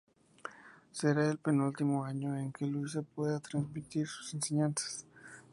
Será el penúltimo año en que Luisa pueda transmitir sus enseñanzas.